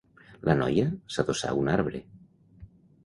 La noia s'adossà a un arbre.